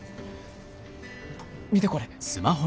見てこれ。